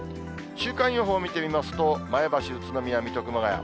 週間予報見てみますと、前橋、宇都宮、水戸、熊谷。